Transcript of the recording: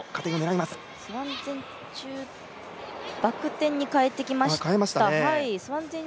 バク転に変えてきました。